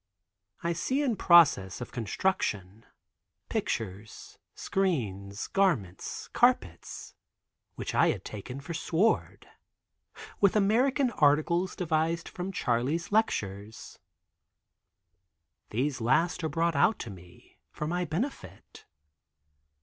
I see in process of construction pictures, screens, garments, carpets (which I had taken for sward) with American articles devised from Charley's lectures. These last are brought out to me for my benefit.